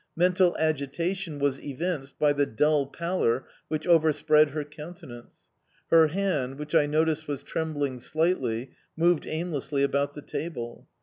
Mental agitation was evinced by the dull pallor which overspread her countenance; her hand, which I noticed was trembling slightly, moved aimlessly about the table.